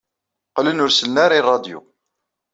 Qqlen ur sellen ara i ṛṛadyu.